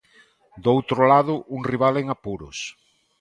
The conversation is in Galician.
Do outro lado, un rival en apuros.